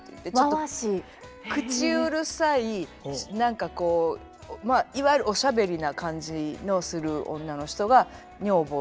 口うるさい何かこうまあいわゆるおしゃべりな感じのする女の人が女房たちがよく出てきます。